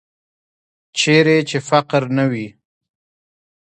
چیرې چې فقر نه وي.